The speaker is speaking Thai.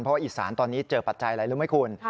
เพราะว่าอีสานตอนนี้เจอปัจจัยอะไรรู้ไหมคุณ